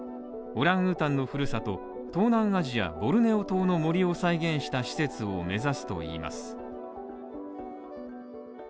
オランウータンの故郷、東南アジアボルネオ島の森を再現した施設を目指すといいます。